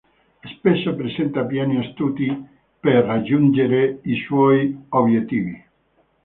Spesso presenta piani astuti per raggiungere i suoi obiettivi.